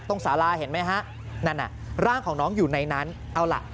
สาราเห็นไหมฮะนั่นน่ะร่างของน้องอยู่ในนั้นเอาล่ะ